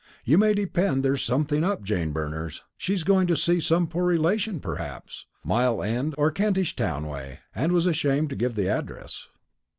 You may depend there's something up, Jane Berners. She's going to see some poor relation perhaps Mile end or Kentish town way and was ashamed to give the address."